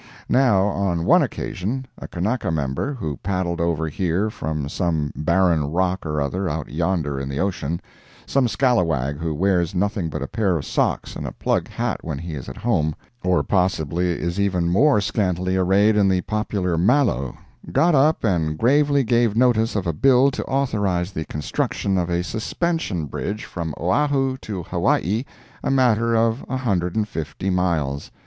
Now, on one occasion, a Kanaka member, who paddled over here from some barren rock or other out yonder in the ocean—some scalawag who wears nothing but a pair of socks and a plug hat when he is at home, or possibly is even more scantily arrayed in the popular malo got up and gravely gave notice of a bill to authorize the construction of a suspension bridge from Oahu to Hawaii a matter of a hundred and fifty miles!